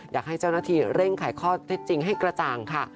อยากให้เจ้าหน้าที่เร่งไขข้อเท็จจริงให้กระจ่างค่ะ